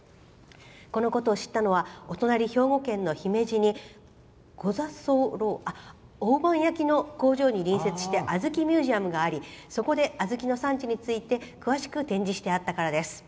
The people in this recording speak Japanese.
このことを知ったのはお隣、兵庫県の姫路に大判焼きの工場に隣接して小豆ミュージアムがありそこで小豆の産地について詳しく展示してあったからです。